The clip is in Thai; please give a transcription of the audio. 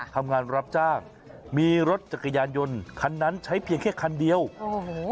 ทำงานรับจ้างมีรถจักรยานยนต์คันนั้นใช้เพียงแค่คันเดียวโอ้โห